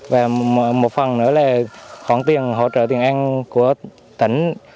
và một phần nữa là khoản tiền hỗ trợ tiền ăn của tỉnh